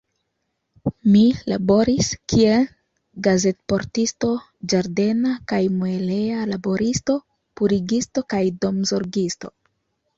Mi laboris kiel gazetportisto, ĝardena kaj mueleja laboristo, purigisto kaj domzorgisto.